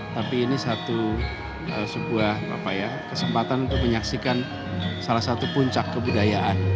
tapi ini satu sebuah kesempatan untuk menyaksikan salah satu puncak kebudayaan